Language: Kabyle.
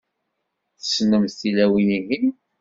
Tessnemt tilawin-ihin?